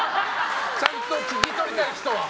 ちゃんと聞き取りたい人は。